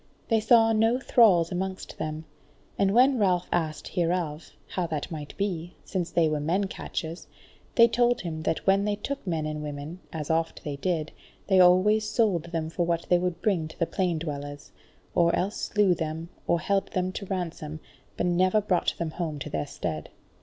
They saw no thralls amongst them; and when Ralph asked hereof, how that might be, since they were men catchers, they told him that when they took men and women, as oft they did, they always sold them for what they would bring to the plain dwellers; or else slew them, or held them to ransom, but never brought them home to their stead.